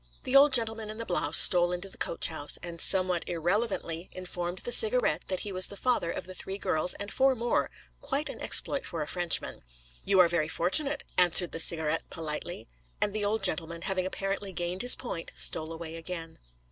The old gentleman in the blouse stole into the coach house, and somewhat irrelevantly informed the Cigarette that he was the father of the three girls and four more: quite an exploit for a Frenchman. 'You are very fortunate,' answered the Cigarette politely. And the old gentleman, having apparently gained his point, stole away again.